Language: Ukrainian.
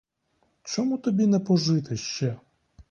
Чому тобі не пожити ще?